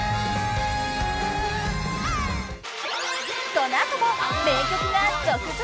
［この後も名曲が続々］